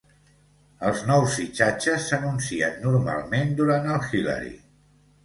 Els nous fitxatges s'anuncien normalment durant el Hilary.